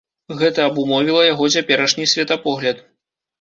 Гэта абумовіла яго цяперашні светапогляд.